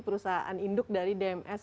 perusahaan induk dari dms